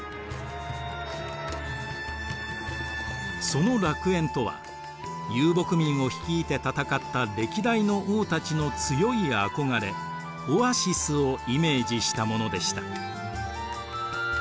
その楽園とは遊牧民を率いて戦った歴代の王たちの強い憧れオアシスをイメージしたものでした。